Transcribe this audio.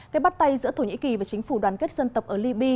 cái bắt tay giữa thổ nhĩ kỳ và chính phủ đoàn kết dân tộc ở liby